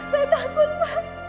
saya takut pak